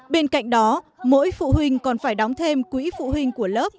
bên cạnh đó mỗi phụ huynh còn phải đóng thêm quỹ phụ huynh của lớp